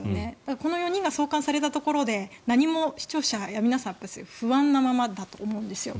この４人が送還されたところで何も視聴者、皆さんは不安なままだと思うんですよ。